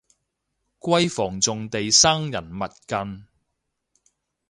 閨房重地生人勿近